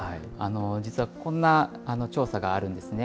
実はこんな調査があるんですね。